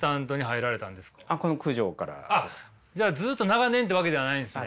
あっじゃあずっと長年ってわけじゃないんですね。